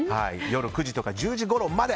夜９時とか１０時ごろまで。